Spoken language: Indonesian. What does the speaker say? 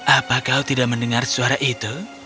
apa kau tidak mendengar suara itu